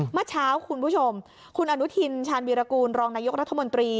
เมื่อเช้าคุณผู้ชมคุณอนุทินชาญวีรกูลรองนายกรัฐมนตรี